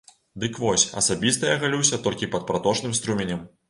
Дык вось, асабіста я галюся толькі пад праточным струменем.